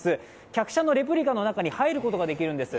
客車のレプリカの中に入ることができるんです。